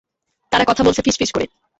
তারা কথা বলছে ফিসফিস করে।